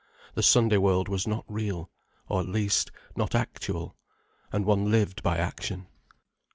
The Sunday world was not real, or at least, not actual. And one lived by action.